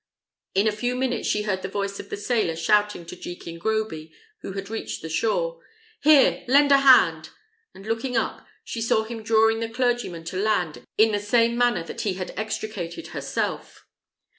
In a few minutes she heard the voice of the sailor shouting to Jekin Groby, who had reached the shore, "Here, lend a hand!" and looking up, she saw him drawing the clergyman to land in the same manner that he had extricated herself.